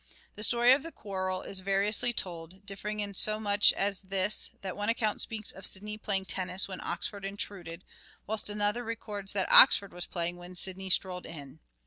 The story of the quarrel is variously told, differing in so much as this, that one account speaks of Sidney playing tennis when Oxford intruded, whilst another records that Oxford was playing when Sidney strolled in.